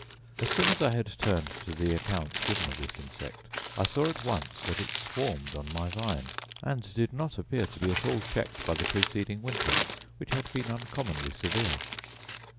As soon as I had turned to the accounts given of this insect, I saw at once that it swarmed on my vine; and did not appear to be at all checked by the preceding winter, which had been uncommonly severe.